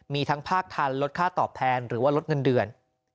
มีทั้งภาคทันลดค่าตอบแทนหรือว่าลดเงินเดือน